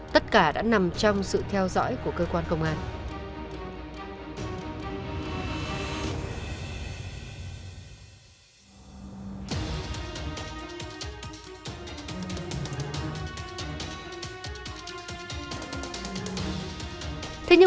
tất cả đã nằm trong sự theo dõi của họ